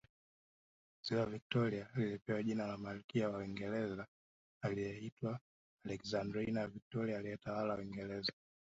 Ziwa Victoria lilipewa jina la Malkia wa Uingereza aliyeitwa Alexandrina Victoria aliyetawala Uingereza